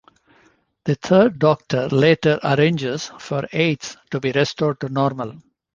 The Third Doctor later arranges for Yates to be restored to normal.